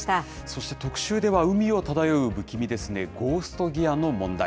そして特集では、海を漂う不気味ですね、ゴースト・ギアの問題。